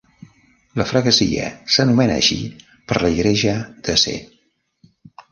La "freguesia" s'anomena així per la Igreja da Sé.